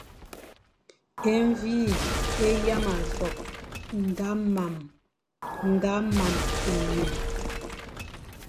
E mvi é yama nzokh daʼa man enyum.